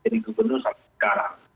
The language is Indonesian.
dari gubernur sampai sekarang